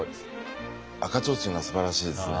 赤ちょうちんがすばらしいですね。